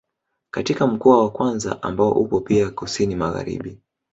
Katika mkoa wa Mwanza ambao upo pia kusini magharibi